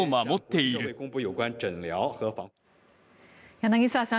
柳澤さん